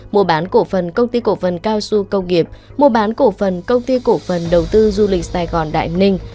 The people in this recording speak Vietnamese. mua bán cổ phần công ty cổ phần cao xu công nghiệp mua bán cổ phần công ty cổ phần đầu tư du lịch sài gòn đại ninh